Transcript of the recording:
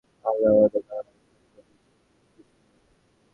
আনুগত্য ছাড়া অন্য কিছুর মাধ্যমে আল্লাহর ও অন্য কারো মাঝে সম্পর্ক সৃষ্টি হয় না।